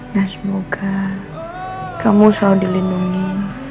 dan semoga kamu selalu dilindungi